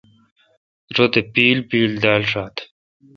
رت اے° پیل پیل دال۔ شات۔